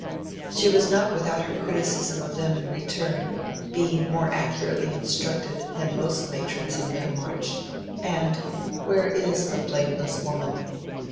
She was not without her criticism of them in return, being more accurately instructed than most matrons in Middlemarch, and—where is the blameless woman?